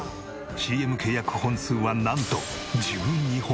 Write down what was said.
ＣＭ契約本数はなんと１２本！